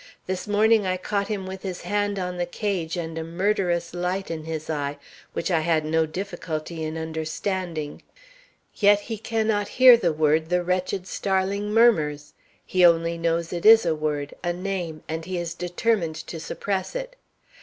This morning I caught him with his hand on the cage and a murderous light in his eye, which I had no difficulty in understanding. Yet he cannot hear the word the wretched starling murmurs. He only knows it is a word, a name, and he is determined to suppress it.